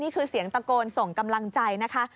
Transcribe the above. เสียงตะโกนส่งกำลังใจนะคะ